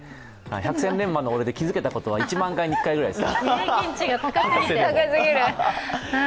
百戦錬磨の俺で気付けたことは１万回に１回ぐらいです。